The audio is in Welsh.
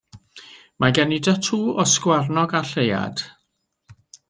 Mae gen i datŵ o ysgyfarnog a lleuad.